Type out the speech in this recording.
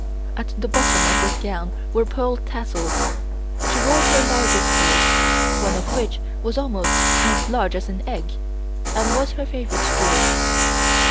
At the bottom of this gown were pearl tassels. She wore her largest pearls, one of which was almost as large as an egg, and was her favorite jewel.